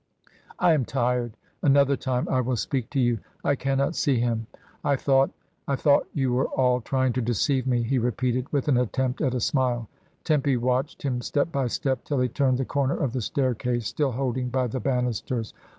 "I am tired; an other time I will speak to you. I cannot see him. UNDER THE CEDAR TREES. 295 I thought — I thought you were all trying to deceive me," he repeated, with an attempt at a smile. Tempy watched him step by step till he turned the comer of the staircase, still holding by the bannisters.